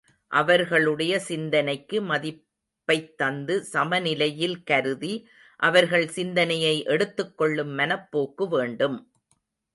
அவர்களுடைய சிந்தனைக்கு மதிப்பைத் தந்து சமநிலையில் கருதி, அவர்கள் சிந்தனையை எடுத்துக் கொள்ளும் மனப் போக்கு வேண்டும்.